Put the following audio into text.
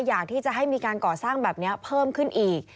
อยากที่จะให้มีการก่อสร้างแบบนี้เพิ่มขึ้นอีก